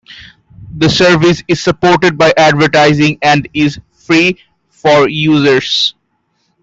The service is supported by advertising, and is free for users.